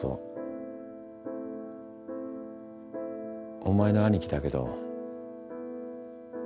お前の兄貴だけど。